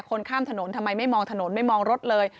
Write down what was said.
คนข้ามถนนทำไมไม่มองถนนไม่มองรถเลย